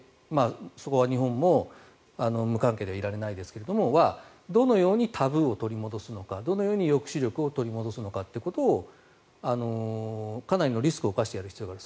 そこは日本も無関係ではいられないですがそれらはどのようにタブーを取り戻すのかどのように抑止力を取り戻すのかということをかなりのリスクを冒してやる必要がある。